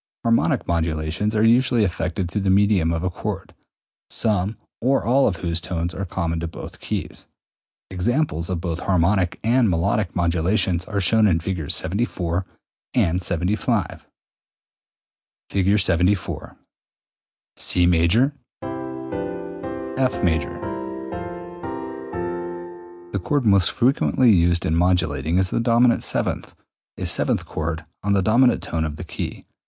Harmonic modulations are usually effected through the medium of a chord, some or all of whose tones are common to both keys. Examples of both harmonic and melodic modulations are shown in Figs. 74 and 75. [Illustration: Fig. 74.] The chord most frequently used in modulating is the dominant seventh, i.e., a seventh chord (see Sec. 201) on the dominant tone of the key.